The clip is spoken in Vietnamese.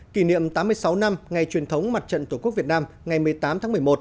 kỷ niệm tám mươi sáu năm ngày truyền thống mặt trận tổ quốc việt nam ngày một mươi tám tháng một mươi một